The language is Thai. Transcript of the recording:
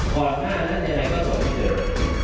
ก่อนหน้านั้นในแรกก็ส่วนที่เดียว